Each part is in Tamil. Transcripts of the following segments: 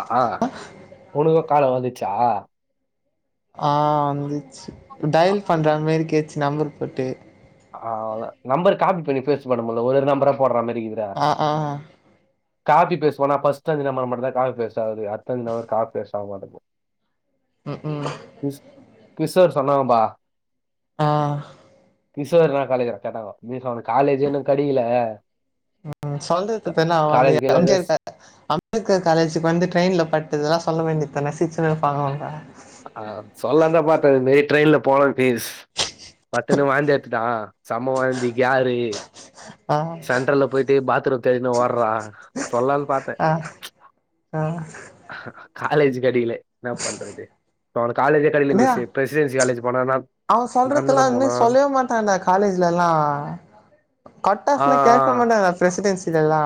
அ ஆ உனுகு கால வந்துச்சா ஆ வந்துச்சு டயல் பண்றா மாரி கேச்சு நம்பர் போட்டு ஆவ்ல நம்பர் காபி பண்ணி பேஸ்ட் பண்ண முல்ல ஒரு ஒரு நம்பரா போட்றா மேரி இகிது அ ஆ காப்பி பேஸ்ட் பண்ணா ஃபர்ஸ்ட் அஞ்சு நம்பர் மட்டுந்தா காப்பி பேஸ்ட் ஆவுது அட்த்த அஞ்சு நம்பர் காப்பி பேஸ்ட் ஆவ மாட்டேங்து ம் ம் கிஷ் கிஷோர் சொன்னாங்கப்பா ஆ கிஷோர்னா காலேஜ்ல கேட்டாங்கலா மிஸ் அவனுக்கு காலேஜே இன்னு கெடைகில ம் சொல்றது இப்ப என்ன அவ அந்த எம் கீலேஜ் ஜி ஆர் கா அம்பேத்கர் காலேஜுக்கு வந்து ட்ரெயின்ல படுத்ததெல்லா சொல்ல வேண்டித்தான சிச்சுனு இருப்பாங்க அவுங்க அ சொல்லான்தா பாத்தே நீ ட்ரெயின்ல போலான் ப்ளீஸ் பட்டுனு வாந்தி எட்த்துட்டா செம்ம வாந்தி கேரு ஆ சென்ட்டர்ல போயிட்டு பாத்ரூம் தேடினு ஓர்றா சொல்லான் பாத்தே ஆ ஆ காலேஜூ கெடைகில என்னாப் பண்றது அவனுக் காலேஜே கெடைக்கல டேய் மிஸ்ஸே பிரசிடென்சி காலேஜ் போனானாக் நடந்துனம் போனா தான்டா காலேஜ்ல எல்லா கட் ஆ ஆஃப்லா ஆ கேக்க மாட்டாங்க பிரசிடென்ஸ் இதெல்லா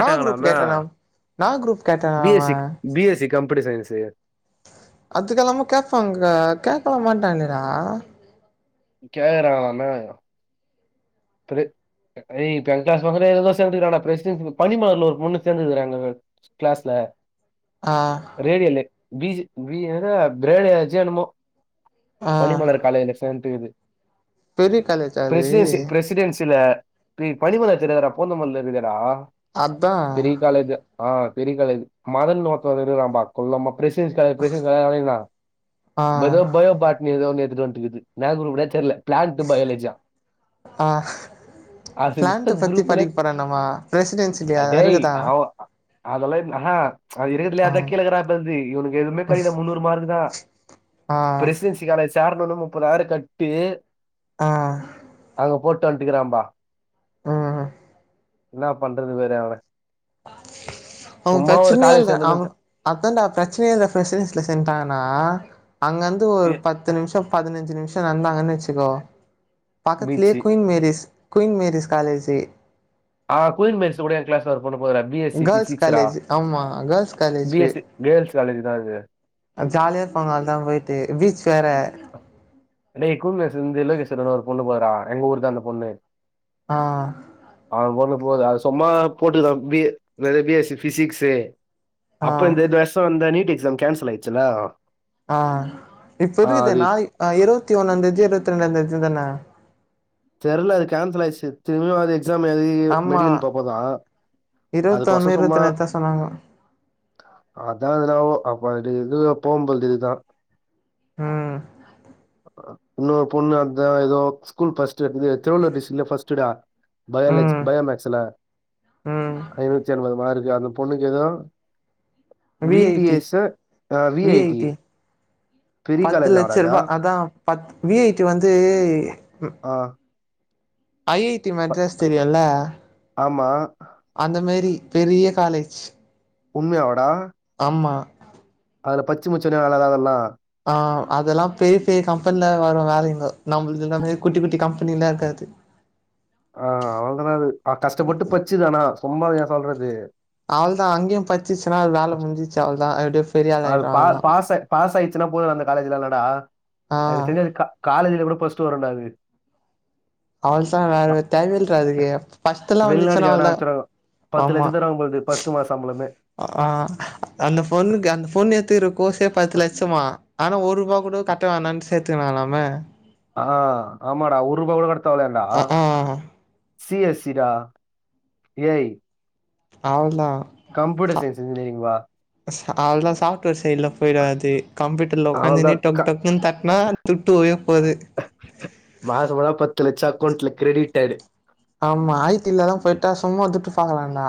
நா குரூப் கேட்டனாம் நா குரூப் கேட்டனா பி எஸ் அவே C B S C come புடி சயின்ஸ்சு அதுக்கெல்லாம கேப்பாங்க கேக்கல மாட்டாடேனடா கேகறாங்லாமே ஆயிரு பிர டே இப்ப எங்க கிளாஸ்ல கூட எதோதோ சேந்துகுறாங்கடா பிரசிடென்சி புக் பனிமலர்ல ஒரு பொண்ணு சேந்துருகறாங்க பாரு கிளாஸ்ல ஆ ரேடியலு பி ஜி பி எரே பிரேடுயேஜியோ என்னமோ ஆ பனிமலர் காலேஜ்லச் சேன்ட்டுகுது பெரிய காலேஜா அது ரெசிடென்சில பே பனிமலர் தெரியாதடா போந்தமல்ல இருகுதேடா அதா பெரிய காலேஜா ஆ பெரிய கலேஜூ மதன்னு ஒருத்த இருகுறாம்பா குள்ளமா பிரசிடென்சி காலேஜ் பிரசிடென்சி காலே அலையறன்னா ஆ இப்ப எதோ பயோ பாட் ன்னு எதோ ஒன்னு எத்துட்டு வன்ட்டுகுது என்னா குரூப்னே தெர்ல பிளாண்ட்டு பயாலெஜியா ஆ அது பிளான்ட்டு என்ன பத்தி குரூப்னே படிக் போறானாமா ரெசிடென்சிலியா இருகுதா அதெலா இன் அஹா அது இருகத்துலியே ஆ அதா கீழ இகறாப்லர்து இவுனுகு எதுவுமே கெடைகல முன்னூறு மார்க்குதா ஆ பிரசிடென்சி காலேஜ் சேர்னுனு முப்பதாயிரோ கட்டி ஆ அங்க போட்டு வன்ட்டுகிறாம்பா ம் ம் இன்னாப் பண்றது பாரு அவன சும்மா ஒரு காலேஜ் சேந்துன் நென்ச்சே அதாண்டா பிரச்சனையே இந்த [unintelligible] சேந்ட்டாங்கன்னா அங்க வந்து ஒரு பத்து நிம்ஷோ பதினஞ்சு நிம்ஷோ நடந்தாங்கன்னு வச்சுக்கோ பக்கத்துலே beach Queen Mary's Queen Mary's college ஆ குயின் மேரிஸ்ல கூட ஏ கிளாஸ்ல ஒரு பொண்ணு போதுரா பி எஸ் சி கேர்ள்ஸ் பிசிக்ஸ்ரா காலேஜ் ஆமா girls B college S C girls college தா அது அ ஜாலியா இருப்பாங்க அதா போயிட்டு பீச் வேற என்னைக்கு மே செந்திலு [unintelligible] ஒரு பொண்ணு [unintelligible] எங்க ஊர் தா அந்த பொண்ணு ஆ அந்த பொண்ணு போது அது சும்மா போட்டுக்கான் பி வேற பி எஸ் சி பிசிக்ஸு அப்ப ஆ இந்தது வருஷோ வந்தா நீட் எக்ஸாம் கேன்சல் ஆயிடுச்சுலா ஆ இப்ப இருக்குது நாய் இருவத்தி ஒன்னாந்தேதியோ இருவத்தி ரெண்டாந்தேதி தான தெரில அது கேன்சல் ஆயிச்சு திரும்ப அது எக்ஸாம் எழுதி ஆமா மெடிக்கல் பாப்போதா அதுக்குவசோ இருவத்தொன்னு சும்மா இருவத்தி ரெண்டுதா சொன்னாங்க அதா இதுல ஆவு அப்ப அது இதுல போம்போது தா ம் இன்னொரு பொண்ணு அதா எதோ ஸ்கூல் ஃபர்ஸ்ட் எடுக்த்துது திருவள்ளுவர் டிஸ்ட்ரிக்ட்ல ஃபர்ஸ்ட்டு டா பயாலஜி ம் பயோமேக்ஸ்ல ம் ஐநூத்தி ஐம்பது மார்க் அந்த பொண்ணுக்கு எதோ வி டி எஸ்ஸோ அ வி ஐ டி பத்து லட்சருபா அதா பத் வி ஐ டி வந்து ஆ ஐ ஐ டி மெட்ராஸ் தெரியுல்ல ஆமா. அந்த மாரி பெரிய காலேஜ் உண்மையாவாடா ஆமா அதுல பச்சு முச்சொன்னே வேற லெவல் நா ஆ அதல்லா பெரிய பெரிய கம்பெனில வரு வேலைங்கோ நம்மளுது எல்லாமே குட்டி குட்டி கம்பனிலா இருக்காது [inaudible] ஆ அவள்துனது அ கஷ்டப்பட்டு பச்சுது அனா சும்மா ஏ சொல்றது அவள்தா அங்கயு படிச்சுச்சுனா அது வேல முடிஞ்சிருச்சு அவளதா எப்படியோ அ அது பா பாச பாஸ் ஆயிடுச்சுன்னா போது அந்த காலேஜ்ல இல்ல டா ஆ எனக்கு தெரிஞ்சு அது கா காலேஜ்ல கூட பஸ்ட்டு வருன்டா அது அவள்சா அ வேற தேவல்ரா அதுக்கு ஃபர்ஸ்ட் எல்லா வந்துச்சுன்னா அவள்ள தான் பத்து லச்சோ தர்ராங்க போல இக்குது ஃர்ஸ்டு மாச சம்பலமே ஆ அந்த பொண்ணுக்கு அந்த பொண் எத்த இரு கோர்ஸ்சே பத்து லட்சமா அனா ஒரு ருபா கூட கட்ட வேணான்னு சேத்துக்குன்னானம்மே ஆ ஆமாடா ஒரு ருபா கூட கட்ட தேவ இல்லயான்டா ஆ ஆ சி எஸ் சி டா ஏ ஐ அவ்ளதா கம்ப்யூட்டர் சயின்ஸ் இன்ஜினியரிங் வா ஸ் அவ்ளதா சாஃப்ட்வேர் சைடுலா போயிடாது கம்ப்யூட் த்லோ ஒக்காந்துன்னு அவ்ளோதான் க டொக் டொக்ன்னு தட்னா துட்டு வரையு போது மாசமானா பத்து லச்சோ அக்கவுண்ட்ல கிரேடிடட் ஆமா ஐ டிலலா போயிட்டா சும்மா துட்டு பாக்கலான்டா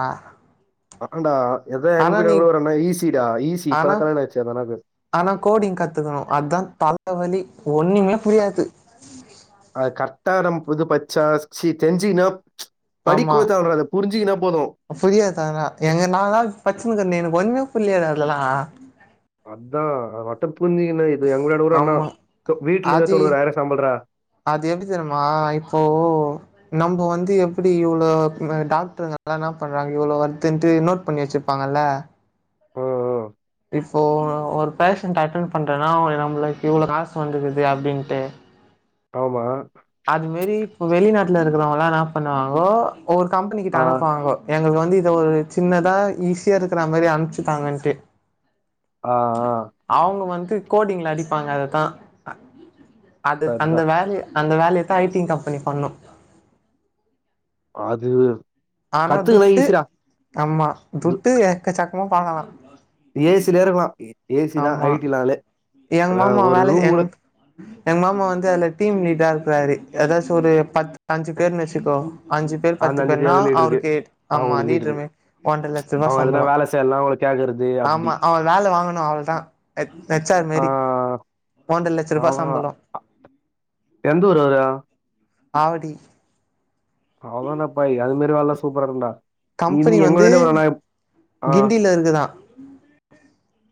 அஹான்டா எதா எங்க [unintelligible] ஆனா கூட நீ ஒரு அண்ணா ஈசி டா ஈசி இப்பதா ஆனா கல்யாணோ ஆயிச்சு அந்தண்ணாக்கு ஆனா கோடிங் கத்துக்கணு அதா தலவலி ஒண்ணுமே புரியாது அது கரட்டா நம் புது பச்சா சி தெரிஞ்சிகனு படிக் கூட தேவல்ரத புரின்ஞ்சிகின்னா போது புரியா தகனா எங்க நால் நாள் பச்சுனுக்கர்னே எனக் ஒண்ணுமே புரில்யேடா அதுலல்லா அத்தா அத மட்டு புர்ன்ஜிக்கினு இது எங்க வூடான்ட ஒர் அண்ணா ஆமா தொ வீட்லுந்தே அது தொண்ணுறாய்ரோ சம்பல்றா அது எப்டி தெரிம்மா இப்போ நம்போ வந்து எப்புடி இவ்ளோப் ம டாக்டருங்க அல்லா என்ன பண்றாங்க இவ்ளோ வர்துண்ட்டு நோட் பண்ணி வச்சிப் பாங்கல்ல ஓஓ ரிஃப்ஃபோ ஒரு பேஷண்ட் அட்டென் பண்றேன்னா அவ்ங்ள நம்ளுக் இவ்ளோ காசு வந்துக்குது அப்டின்ட்டு ஆமா அது மேரி பு வெளிநாட்ல இருக்குறவங்கல்லா என்னா பண்ணுவாங்கோ ஒவ்வொர் கம்பெனி கிட்ட ஆ அனுப்வாங்கோ எங்கள்க்கு வந்து இத ஒரு சின்னதா ஈஸியா இருக்ற மாரி அனுப்ச்சிட்டாங்கன்ட்டு ஆஆ அவ்ங்க வந்து கோடிங்ல அடிப்பாங்க அதத்தா அ அதுத் அந்த சரிதான் வேலி அந்த வேலையத்தா ஐடிங் கம்பனி பண்ணு ஆதிவ் ஆனா துட்டு ஆமா துட்டு எக்க சக்கமா பாக்கலா ஏசிலே இருக்குலா ஏ ஏசிதா ஆமா ஐ டினாலே எங்க வ மாமா ஒரு வேல ரூம் கூடத் எங் மாமா வந்து அதுல டீம் லீட்ரா இருக்றாரு ஏதாசு ஒரு பத்து அஞ்சு பேர்னு வச்சுக்கோ ஆஞ்சி பேர் அந்த பத்து அஞ்சு ரூபா பேர்னா வெளியிட்டு இருக்கு அவ்ருக்கேட் ஆமா அவங்களுக்கு அந்த லீடரு வீட்டுமே ஒன்ற லச் ருபா அவங்க எதனா சம்பளு வேலை செய்யலாம் அவங்களை கேட்கறது அப்படி ஆமா அவ வேல வாங்கணு அவ்ளதா அ எத் எச்சார் ஆ மாரி ஓன்ர லச்ச ரூபா சம்பளோ அ எந்த ஊரு அவரு ஆவடி அவதாப்பா எல்மாரி வேல்லா சூப்பரா இருக்குன்டா கம்பெனி இந்தி எங்க வந்து வீட்டு ஒரு நைம் கிண்டில இருக்குதா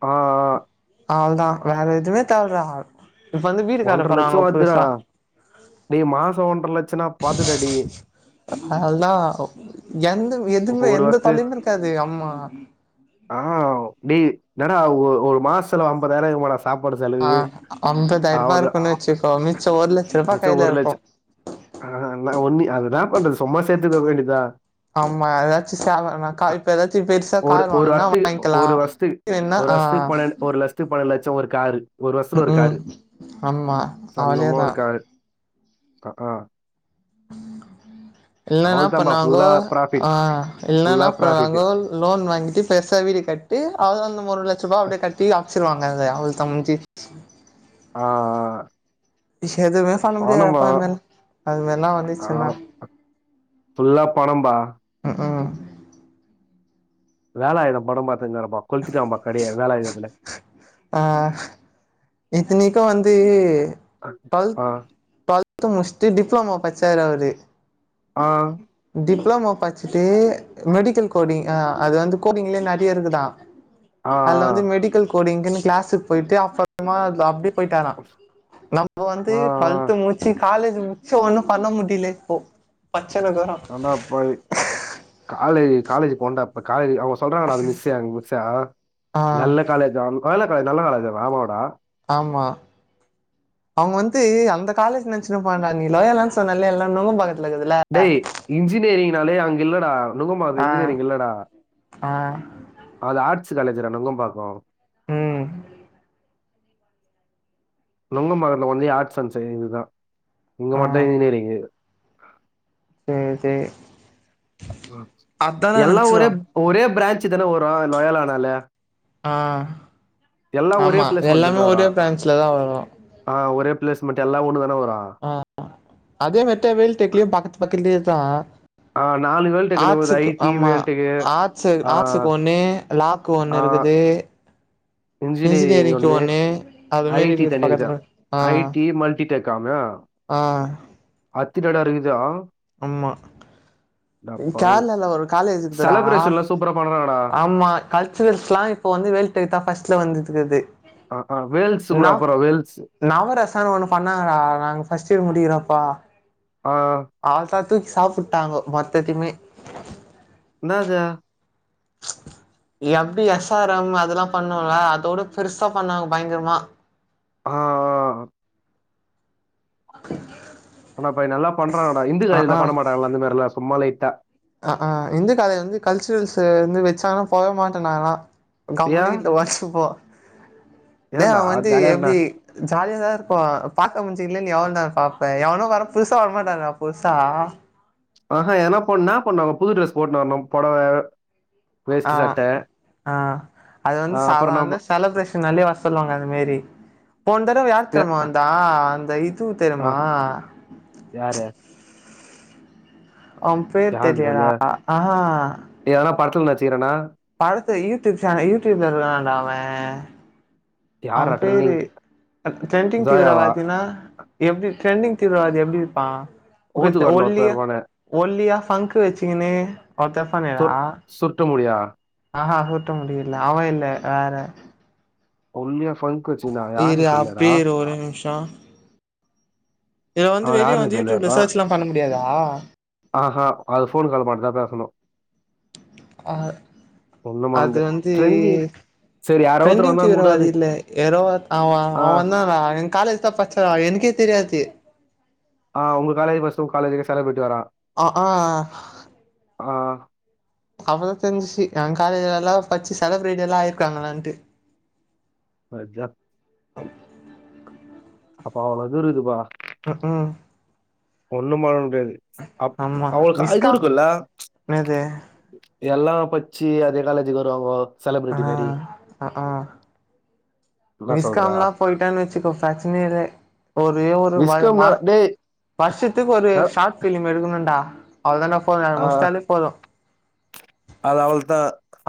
ஆ ஆ அவ்ள் தா வேற எதுமே தேவல்றாவ் இப்ப வந்து வீடு கட்டப்போராங்லா புதுசா டே மாசோ ஒன்ர லட்சனா பாத்துடாடி அத்தா அவ்ல்தா ஔ எந்தவ் இப்ப எதுமே ஒரு எந்த வருஷத்து தொல்லயுமே இருக்காது ஆமா ஆவ் டே டடா ஓ ஒர் மாஸ்ஸுல அம்பதாய்ரோ ஆய்டுமாடாஸ் ஆ அம்பதாய்ருபா இருக்குன் வச்சிக்கோ மிச்சோ ஒரு லச்ச ருபா மிச்சோ கைல ஒரு இருக்கு லட்சோ ஆ நா ஒன்னி அதுதா பண்றது சும்மா சேத்துவ வேண்டிதா ஆமா ஏதாச்சு ஸேவர்மா கால்ப் ஏதாச்சி பெர்சா ஒரு கார் ஒரு வாங்கன்னா வருஷத்துக்கு வாய்ன்க்கலா ஒரு என்னா ஆ த்து பல லச்சோ ஒரு காரு ஒரு வருஷத்துல ஒரு ம்ம் காரு ஆம்மா சொந்தமா ஒரு காரு அ ஆ இல் எனா அவ்ளோதாம்பா பண்ணுவாங்கோ ஃபுல்லா ப்ராஃபிட் ஆ இல் ஃபுல்லா எனா ப்ராஃபிட்டு பண்ணுவாங்கோல் லோன் வாங்கிட்டி பெர்சா வீடு கட்டி அவ்ல்தா நம்ம ஒரு லச்ச ரூபா அப்டே கட்டி ஆக்சிடுவாங்க அத அவள்தா முஞ்சிச் ஆ ஆ எதுமே சொல்ல முடியாது அப்பா இன்மேல் அதுலெல்லா ஆ வந்திச்சென்னா ஃபுல்லா பணம்பா ம்ம் வோலாய்தம் படம் பாத்திருந்தரப்பா கொள்த்திடாங்கம்பா கடைய வோலாய்திதத்துல ஆ இத்தினுக்கு வந்து ஆ டுவல்த் ஆ டு்வல்த்து முஸ்ட்டு டிப்ளமா பச்சாரு அவுரு ஆ டிப்ளோமா பச்சிட்டு மெடிக்கல் கோடிங் ஆ அது வந்து கோடிங்லயே நறைய இருக்குதா ஆ அதுல வந்து மெடிக்கல் கோடிங்கின்னு கிளாஸுக்கு போயிட்டு அப்பறமா அப்டேட் போயிட்டாரா நம்ம வந்து ஆ டுவெல்த் ஆ முச்சி காலேஜ் முச்சு ஒன்னு பண்ண முடியில இப்போ பச்சினுக்குறோ ரண்டா போய் காலே காலேஜ் போண்டா காலேஜ் அவர்ஸ் சொல்றாங்கடா அந்த மிஸ்ஸே எங்க மிஸ்ஸே ஆ நல்ல காலேஜாம் லயோலா காலேஜ் நல்ல காலேஜ் ஆமாவாடா ஆமா அவுங்க வந்து அந்த காலேஜ் நெனச்சுனு இருபாங்கடா நீ லயோலான் சொன்னல்ல எல்லாம் நுங்கபாக்கதுல டேய் இன்ஜினியரிங்னாலே அங்க இல்லடா நுங்கம்பாக்கத்துல ஆ இன்ஜினியரிங் இல்லடா ஆ அது ஆர்ட்ஸ் காலேஜ்டா நுங்கம்பாக்கொ ம் நுங்கபாக்கத்துல ஓன்லி ஆர்ட்ஸ் அண்ட் சயின்ஸ் தா இங்க ஆ மட்டு் இன்ஜினியரிங் சேரி சேரி ஓ அதான எல்லா ஒரே நெனச்சிருவா ஒரே பிரான்ச் தானே வரு லோயாலானாலே ஆ ஒரே ஆமா பிளேஸ்மெண்ட் எல்லாமே தானே ஒரே வரும் ப்ரான்ச்ல தா வரு ஆ ஒரே பிளேஸ்மன்ட்டு எல்லா ஒண்ணு தான வரு ஆ அதே வெட்ட வேல் டெக்லேயு பக்கத்து பக்கத்துலயே தா ஆ வேல்டெக் எனக்கு வருது. ஆட்ஸுக்கு ஐடி, ஆமா வேல்டெக்கு ஆட்ஸு ஆ ஆட்ஸுக்கு ஒன்னு லாக்கு ஆ ஒன்னு இருக்குது இன்ஜினியரிங்க்கு ஒண்ணு அது மாரி ஐடி இருக்குது தனியா இக்குது. பக்கத்து பக்கத்து ஆ ஐடி மல்டி ஆ அத்திலரடருங்குதா ஆமா அடப்பாவி! கேரளால ஒரு காலேஜு இக்குதுரா செலப்ரேஷன்லாம் சூப்பரா பண்ணுறாங்க ஆமா கல்ச்சுரல்ஸ்ல்லா இப்ப வந்து வேல்டெக்கு தா ஃப்ஸ்ட்ல வந்திட்டுருக்குது ஆ ஆ வேல்ஸ் கூட அப்பறொ வேல்ஸ் நவரசம் ஒண்ணு பண்ணாங்கடா நாங்க ஃபர்ஸ்ட் இயர் முடிக்கிறப்பா ஆ அவ்ல்தா தூக்கி சாப்புட்டாங்கோ மொத்தத்தையுமே என்னாத எப்டி எஸ் ஆர் எம் அதெல்லா பண்ணுல அதோட பெருசா பண்ணாங்க பயங்கரமா ஆ [inaudible] ஆனாப்ப நல்லா பண்றாங்கடா இந்து ஆ காலேஜ்ல பண்ணமாட்டாங்கள அந்த மாரிலா சும்மா லைட்டா அ ஆ இந்து காலேஜ்ல வந்து கல்ச்சுரல்ஸ் வந்து வச்சாங்கன்னா போகவே மாட்ட நால்லா கம்முன்னு ஏன்? வீட்ல உக்காசுப்போ டேய் ஏன்டா அவ வந்து ஜாலியா இருடா. எப்டி ஜாலியா தா இருக்கூ பாத்த முஞ்சிங்கலே நீ எவ்ளோ நேரொ தான் பாப்பே எவனும் வர புதுசா வரமாட்டா புதுசா ஆஹா என்னா பண்ணு என்னா பண்ணுவாங்க புது ட்ரெஸ் போட்டு வரணு பொடவ ஆ ஆ அது ஆ வந்து அப்புறம் சாதாரன நம்ம செலப்ரேஷன் நாள்லயே வர சொல்லுவாங்க அந்த மாரி போன தடவ யார் எ தெரிமா வந்தா அந்த இத்து ஆ தெரியமா யாரு அவ பேர் யாருன்னு தெர்ல. தெரிலியேடா அஹா எதனா படத்துல நட்ச்சிருக்கேனா படத்து யூடியூப் சேனல் யூடியூப்ல இருக்குறானாடா அவ அவ யாரா பேரு ட்ரெண்டிங் ட்ரெண்டிங் ஜாயாவா தீவிரவாதினா எப்டி ட்ரெண்டிங் தீவிரவாதி எப்டி இருப்பா கு ஊத்துக்காட்டுல ஒருத்தன் ஒல்லியா இருப்பானே ஒல்லியா ஃபங்க்கு வச்சிங்கன்னு ஒருத்தருப்பானேடா சுர் சுருட்ட முடியா ஆஹா சுருட்ட முடியில்ல அவ இல்ல வேற ஒல்லியா ஃபங்க வச்சுனா யார்ன்னு தெல்லடா ஒரு நிம்ஷோ இது வந்து அவன் வெளியே யாருன்னு வந்து தெரியல யூடியூப்ல இப்போ சர்ச்ல்லா பண்ண முடியாதா ஆஹா அது போன் கால் மட்டுதா பேசணு ஆ ஒண்ணும் பண்ண அது முடியாது வந்து ட்ரெண்டிங் சரி யாரோ ஒருத்தர் ட்ரெண்டிங் வந்தா தீவிரவாதி கூடாது இல்ல யாரோ அவ ஆ அவ தா எ காலேஜ் தா பச் சா எனக்கே தெரியாது ஆ உங்க காலேஜ் பஸ்ஸு உ காலேஜுக்கு பஸ்ஸுல போய்ட்டு வரா அ ஆ ஆ அப்பதா தெரிஞ்சிச்சு ஏ காலேஜ்லலா பச்சு செலப்ரேட்டில்லா ஆயிருக்காங்களான்ட்டு [unintelligible] ஜா அப்போ அவ்ளோ இது இருதுப்பா ம் ம் ஒண்ணு பண்ண முடியாது அப் ஆமா அவங்களுக்கு இது விஸ்காம் இருக்குல்ல என்னது எல்லா பச்சி அதே காலேஜுக்கு வருவாங்கோ ஆ அ ஆ என்ன சொல்றா விஸ்காம்லா போயிட்டானு வச்சுக்கோ ப்ரச்சனேயில ஒரே ஒரு பயம் விஸ்கம் மா டேய் வருஷத்துக்கு ஒரு ந- ஷார்ட் ஃபிலிம் எடுக்கணும்டா அவ்ளோதா போது ஆ, முடிச்சிட்டாலே போது அது அவள்தா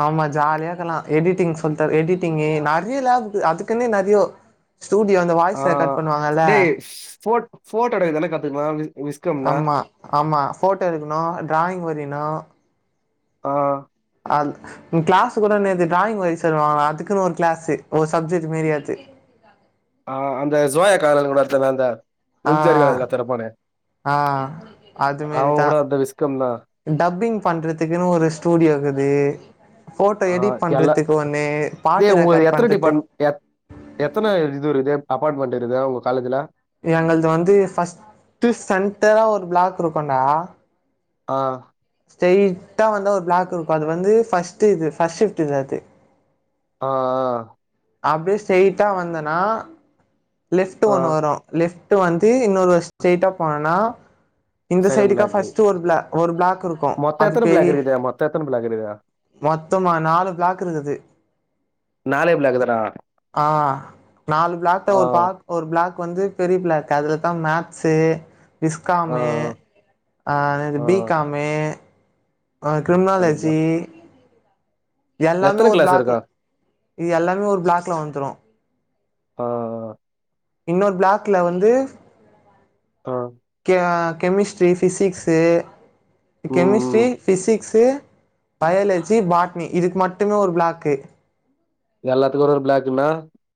ஆமா ஜாலியாருக்கலா எடிட்டிங் சொல்லிட்டரு எடிட்டிங்கு நெறய லேப்க்கு அதுக்குன்னே நெறய ஸ்டூடியோ இந்த ஆ வாய்ஸ் ரெக்கார்ட் பண்ணுவாங்கல்ல டேய் ஃபோட் ஃபோட்டோ எடுக்குதுன கத்துகுனா ஆமா ஆமா ஃபோட்டோ எடுக்கணோ டிராயிங் வரிணோ ஆ அ க்ளாஸ் கூட டிராயிங் வரி சொல்வாங்களா அதுக்குன்னு ஒரு க்ளாஸு ஒரு சப்ஜெக்ட் மாரி அது ஆ அந்த சோயா கார கூட எடுத்துனந்த ஆ எம் ஜி ஆர் காலேஜ்ல ஒருத்த இருப்பானே ஆ அது அவ மாரிதா கூட அந்த விஸ்கம்னா டப்பிங் பண்றதுக்குன்னு ஒரு ஸ்டூடியோக்குது ஃபோட்டோ ஆ, எடிட் எல்லா பண்றதுக்கு ஒண்ணு பாட்டு டேய் உங்களுக்கு ரெக்கார்ட் எத்தனை பண்றதுக்கு டிபார்ட்மெண்ட் எத் எத்தனை இது இருக்குது அபார்ட்மெண்ட் இருக்குதா உங்க காலேஜ்ல எங்கள்து வந்து ஃபர்ஸ்ட்டு சென்டரா ஒரு ப்ளாக் இருக்குன்டா ஆ ஸ்ட்ரைட்டா வந்த ஒரு ப்ளாக் இருக்கு அது வந்து ஃபர்ஸ்டடு இது ஃபர்ஸ்ட் ஷிப்ட் இது அது ஆ ஆ அப்டியே ஸ்ட்யிட்டா வந்தேன்னா லெஃப்ட்டு ஆ ஒன்னு வரு லெஃப்ட்டு வந்து இன்னொரு ஸ்ட்ரய்ட்டா போனன்னா இந்த செகண்ட் சைடுக்கா பிளாக் ஃபஸ்ட் ஒரு பிளா ஒரு பிளாக் இருக்கு மொத்தம் அது எத்தனை பெரி பிளாக் இருக்குது மொத்தம் எத்தனை பிளாக் இருக்குது மொத்தமா நாலு பிளாக் இருக்குது நாலே பிளாக் தானா ஆ நாலு பிளாக்ல ஆ ஒரு பா ஒரு பிளாக் வந்து பெரிய பிளாக் அதுல தா மேக்ஸு ஆ விஸ்காமு அ எனது ஆ பிகாமு சரிங்க கிரிம்னாலஜி எல்லாமே எத்தனை ஒரு கிளாஸ் பிளாக்ல இருக்கா இது எல்லாமே ஒரு பிளாக்ல வந்துரு ஆ இன்னொரு பிளாக்ல வந்து அ கே அ கெமிஸ்ட்ரி ஃபிசிக்ஸ்சு ம் கெமிஸ்ட்ரி ம். ஃபிசிக்ஸ் த்து பயாலஜி பாட்னி இதுக்கு மட்டுமே ஒரு பிளாக்கு எல்லாத்துக்கு ஒரு ஒரு பிளாக்குனா